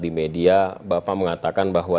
di media bapak mengatakan bahwa